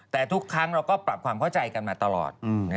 ทั้งเราก็ปรับความเข้าใจกันมาตลอด